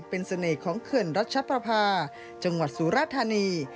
เป็นเสน่ห์ของเขื่อนรัชประพาจังหวัดสุราธานี